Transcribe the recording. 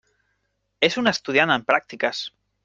És un estudiant en pràctiques.